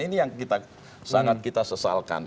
ini yang kita sangat kita sesalkan